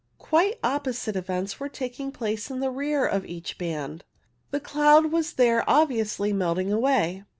Quite oppo site events were taking place in the rear of each band. The cloud was there obviously melting away.